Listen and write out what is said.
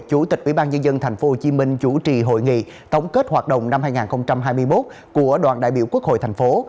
chủ tịch ủy ban nhân dân tp hcm chủ trì hội nghị tổng kết hoạt động năm hai nghìn hai mươi một của đoàn đại biểu quốc hội thành phố